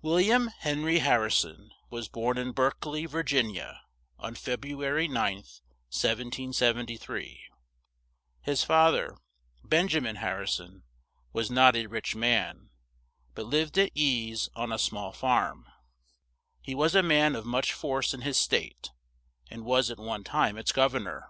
Wil liam Hen ry Har ri son was born in Berke ly, Vir gin i a, on Feb ru a ry 9th, 1773; his fath er, Ben ja min Har ri son, was not a rich man, but lived at ease on a small farm; he was a man of much force in his state, and was at one time its gov ern or.